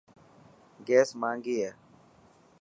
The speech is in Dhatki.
گيس ماهنگي هي.